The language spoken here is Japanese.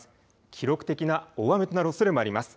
記録的な大雨となるおそれもあります。